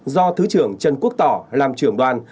do thứ trưởng trần quốc tỏ làm trưởng đoàn